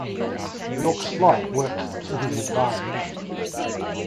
York's flight worked to his advantage.